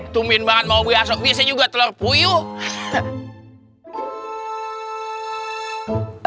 tumin banget mau beli asok biasanya juga telur puyuh